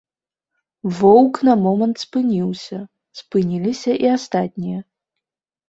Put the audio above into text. Воўк на момант спыніўся, спыніліся і астатнія.